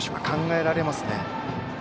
考えられますね。